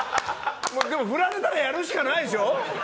でも振られたらやるしかないでしょ？